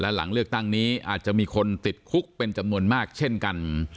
หลังเลือกตั้งนี้อาจจะมีคนติดคุกเป็นจำนวนมากเช่นกัน